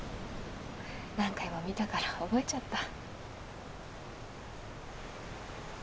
何回も見たから覚えちゃった。